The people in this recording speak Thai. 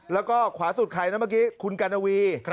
แล้วก็ขวาสุดใครนะเมื่อกี้คุณกัณวี